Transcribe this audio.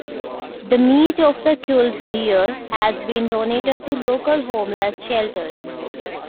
The meat of the culled deer has been donated to local homeless shelters.